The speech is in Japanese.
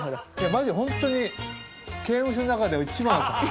マジでホントに刑務所の中では一番だと思う。